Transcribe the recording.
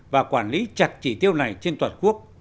và quản lý chặt chỉ tiêu này trên toàn quốc